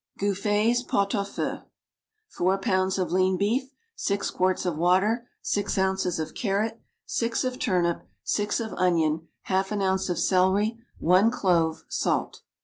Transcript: GOUFFÉ'S POT AU FEU. Four pounds of lean beef, six quarts of water, six ounces of carrot, six of turnip, six of onion, half an ounce of celery, one clove, salt.